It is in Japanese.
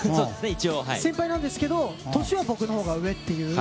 先輩なんですけど年は僕のほうが上という。